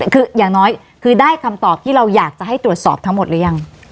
คืออย่างน้อยคือได้คำตอบที่เราอยากจะให้ตรวจสอบทั้งหมดหรือยัง